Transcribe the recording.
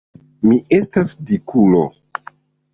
Mi estas dikulo!